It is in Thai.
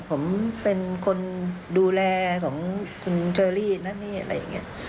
ผมเป็นคนดูแลของคุณเชอรี่นั่นนี่อะไรอย่างนี้